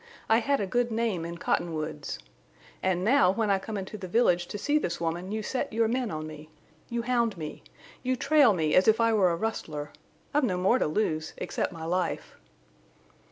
I had a good name in Cottonwoods. And now when I come into the village to see this woman you set your men on me. You hound me. You trail me as if I were a rustler. I've no more to lose—except my life."